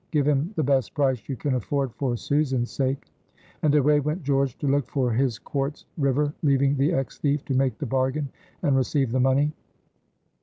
Give him the best price you can afford for Susan's sake." And away went George to look for his quartz river, leaving the ex thief to make the bargain and receive the money.